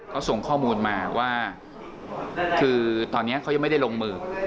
เขาส่งข้อมูลมาว่าคือตอนนี้เขายังไม่ได้ลงมือ